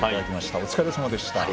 お疲れさまでした。